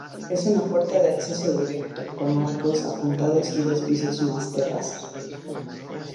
Es una puerta de acceso directo, con arcos apuntados y dos pisos más terraza.